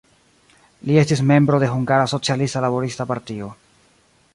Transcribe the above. Li estis membro de Hungara Socialista Laborista Partio.